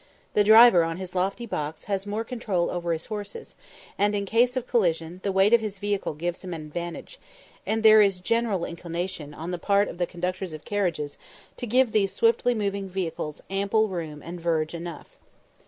The driver, on his lofty box, has more control over his horses, and, in case of collision, the weight of his vehicle gives him an advantage; and there is a general inclination, on the part of the conductors of carriages, to give these swiftly moving vehicles "ample room and verge enough."